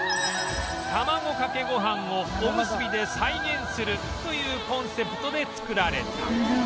卵かけご飯をおむすびで再現するというコンセプトで作られた